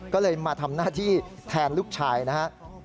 ก็เลยมาทำหน้าที่แทนลูกชายนะครับ